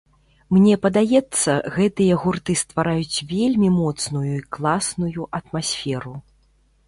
Мне падаецца, гэтыя гурты ствараюць вельмі моцную і класную атмасферу.